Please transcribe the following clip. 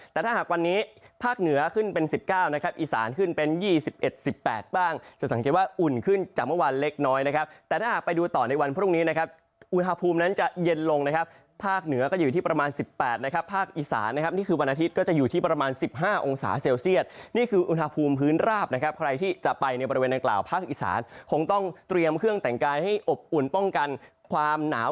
แต่ถ้าหากวันนี้ภาคเหนือขึ้นเป็น๑๙นะครับอีสานขึ้นเป็น๒๑๑๘บ้างจะสังเกตว่าอุ่นขึ้นจากเมื่อวานเล็กน้อยนะครับแต่ถ้าหากไปดูต่อในวันพรุ่งนี้นะครับอุณหภูมินั้นจะเย็นลงนะครับภาคเหนือก็อยู่ที่ประมาณ๑๘นะครับภาคอีสานนะครับนี่คือวันอาทิตย์ก็จะอยู่ที่ประมาณ๑๕องศาเซลเซียตนี่คืออุณ